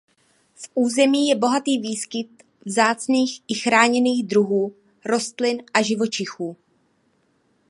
V území je bohatý výskyt vzácných i chráněných druhů rostlin a živočichů.